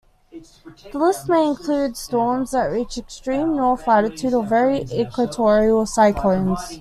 This list may include storms that reach extreme north latitude, or very equatorial cyclones.